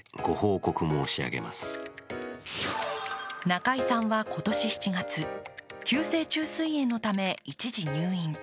中居さんは今年７月、急性虫垂炎のため、一時入院。